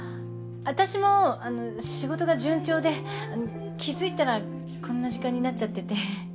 私も仕事が順調で気付いたらこんな時間になっちゃってて。